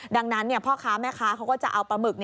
ดังนั้นพ่อค้าแม่ค้าเขาก็จะเอาปลาหมึก